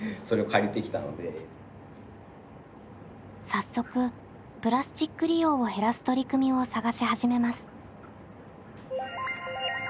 早速プラスチック利用を減らす取り組みを探し始めます。